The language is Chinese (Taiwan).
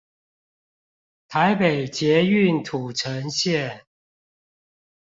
台北捷運土城線